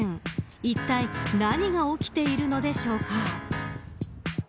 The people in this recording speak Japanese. いったい何が起きているのでしょうか。